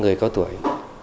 người cao tuổi